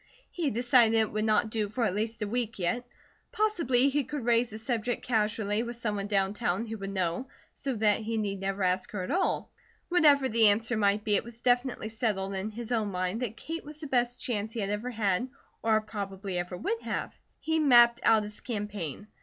He decided it would not do for at least a week yet; possibly he could raise the subject casually with someone down town who would know, so that he need never ask her at all. Whatever the answer might be, it was definitely settled in his own mind that Kate was the best chance he had ever had, or probably ever would have. He mapped out his campaign.